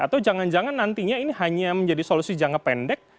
atau jangan jangan nantinya ini hanya menjadi solusi jangka pendek